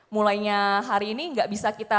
mulainya hari ini nggak bisa kita